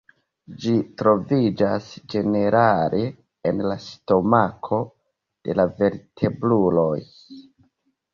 Ĝi troviĝas ĝenerale en la stomako de la vertebruloj.